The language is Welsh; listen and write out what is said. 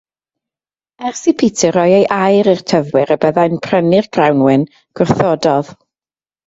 Ers i Peter roi ei air i'r tyfwyr y byddai'n prynu'r grawnwin, gwrthododd.